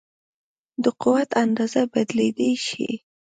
د قوت اندازه بدلېدای شي.